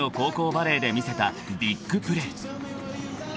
バレーで見せたビッグプレー］